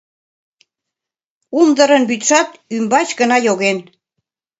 Умдырын вӱдшат ӱмбач гына йоген.